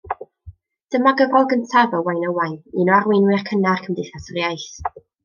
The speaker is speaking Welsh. Dyma gyfrol gyntaf Owain Owain, un o arweinwyr cynnar Cymdeithas yr Iaith.